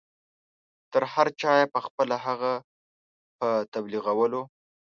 تر هر چا یې پخپله هغه په تبلیغولو.